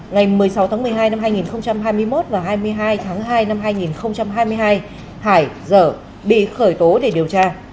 ngày một mươi sáu tháng một mươi hai năm hai nghìn hai mươi một và hai mươi hai tháng hai năm hai nghìn hai mươi hai hải dở bị khởi tố để điều tra